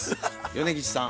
米吉さん